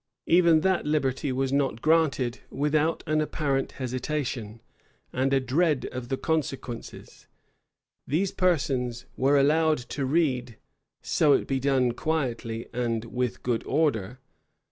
Even that liberty was not granted without an apparent hesitation, and a dread of the consequences: these persons were allowed to read, "so it be done quietly and with good order."